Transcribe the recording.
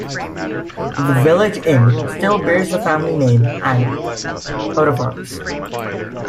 The village inn still bears the family name and coat of arms.